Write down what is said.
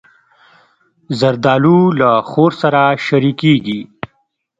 زردالو له خور سره شریکېږي.